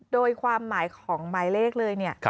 โดยความหมายของหมายเลขเลยเนี่ย